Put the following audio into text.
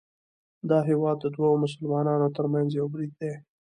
دا هیواد د دوو مسلمانانو ترمنځ یو برید دی